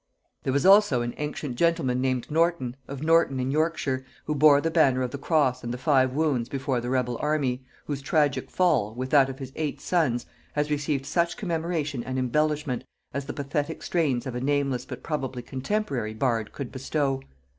There was also an ancient gentleman named Norton, of Norton in Yorkshire, who bore the banner of the cross and the five wounds before the rebel army, whose tragic fall, with that of his eight sons, has received such commemoration and embellishment as the pathetic strains of a nameless but probably contemporary bard could bestow.